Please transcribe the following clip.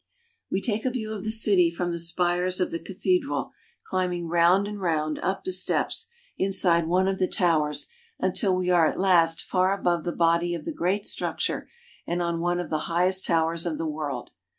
We take a view of the city from the spires of the cathe dral, climbing round and round, up the steps, inside one of the towers, until we are at last far above the body of the great structure, and on one of the highest towers of the world.